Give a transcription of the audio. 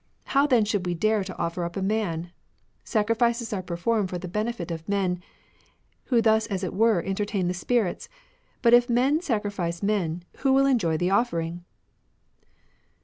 How then should we dare to offer up a man ? Sacrifices are performed for the benefit of men, who thus as it were entertain the spirits. But if men sacrifice men, who will enjoy the offering